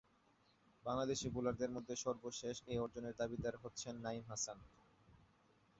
বাংলাদেশী বোলারদের মধ্যে সর্বশেষ এ অর্জনের দাবীদার হচ্ছেন নাঈম হাসান।